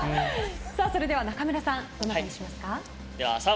それでは、ナカムラさんどなたにしますか？